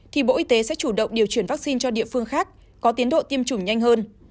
thì bộ y tế sẽ chủ động điều chuyển vaccine cho địa phương khác có tiến độ tiêm chủng nhanh hơn